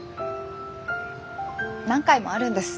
何回もあるんです